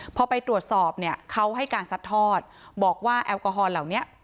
พอไปตรวจสอบเนี่ยเขาให้การซัดทอดบอกว่าแอลกอฮอลเหล่านี้